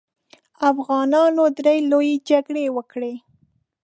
افغانانو درې لويې جګړې وکړې.